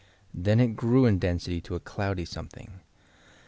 Then it grew in density to a cloudy something.